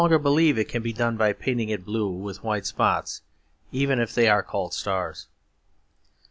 Nor do I believe it can be done by painting it blue with white spots, even if they are called stars.